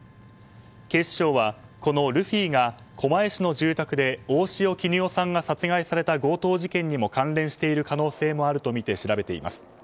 警視庁はこのルフィが狛江市の住宅で大塩衣与さんが殺害された強盗事件にも関連している可能性もあるとみて調べています。